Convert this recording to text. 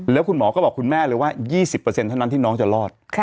แล้วคุณหมอก็บอกคุณแม่เลยว่า๒๐เท่านั้นที่น้องจะรอด